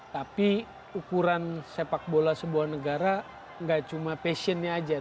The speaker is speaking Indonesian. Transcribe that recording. tapi ukuran sepak bola sebuah negara nggak cuma passionnya aja